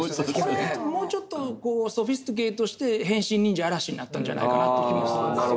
これもうちょっとソフィスティケートして「変身忍者嵐」になったんじゃないかなって気もするんですよね。